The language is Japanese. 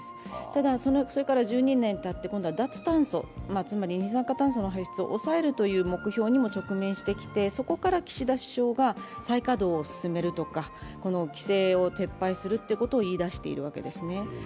ただそれから１２年たって、脱炭素、つまり二酸化炭素の排出を抑えるという目標にも直面してきてそこから岸田首相が再稼働を進めるとか規制を撤廃するということを言い出しているわけですね。